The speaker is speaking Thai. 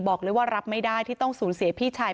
บอกเลยว่ารับไม่ได้ที่ต้องสูญเสียพี่ชาย